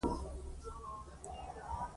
څو شېبې يې خپل ساعت ته وکتل.